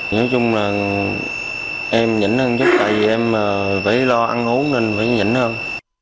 nói chung là em nhỉnh hơn chút tại vì em phải lo ăn uống nên phải nhỉnh hơn